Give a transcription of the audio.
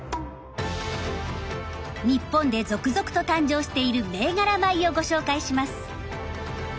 日本で続々と誕生している銘柄米をご紹介します。